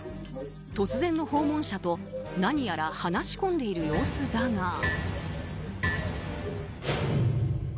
突然の訪問者と何やら話し込んでいる様子だが。